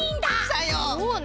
さよう！